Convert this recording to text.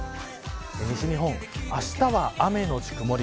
西日本、あしたは雨のち曇り。